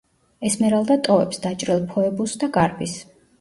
ესმერალდა ტოვებს დაჭრილ ფოებუსს და გარბის.